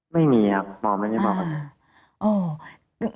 ไม่มีครับหมอไม่ได้บอก